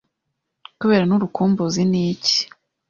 kubera n’ urukumbuzi n’ iki,